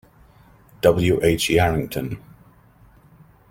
W. H. Yarrington.